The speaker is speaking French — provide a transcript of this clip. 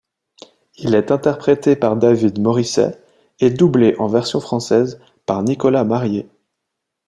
Il est interprété par David Morrissey et doublé en version française par Nicolas Marié.